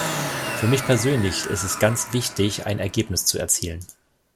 Für mich persönlich ist es ganz wichtig, ein Ergebnis zu erzielen.